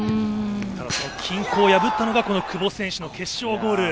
ただ、その均衡を破ったのが久保選手の決勝ゴール。